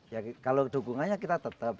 ya kalau dukungannya kita tetap